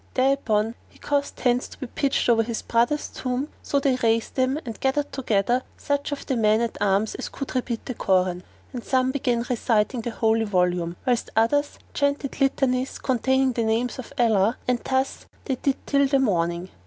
Thereupon he caused tents to be pitched over his brother's tomb; so they raised them; and gathered together such of the men at arms as could repeat the Koran; and some began reciting the Holy volume; whilst others chanted litanies containing the names of Allah, and thus they did till the morning.